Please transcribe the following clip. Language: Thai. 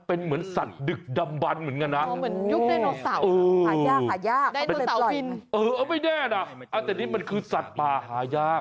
เออไม่แน่น่ะอันนี้มันคือสัตว์ปลาหายาก